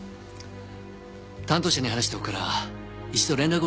担当者に話しておくから一度連絡を取ってみてくれ。